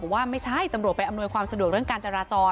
ว่าไม่ใช่ตำรวจไปอำนวยความสะดวกเรื่องการจราจร